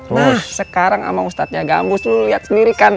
nah sekarang sama ustadznya gambus lu lihat sendiri kan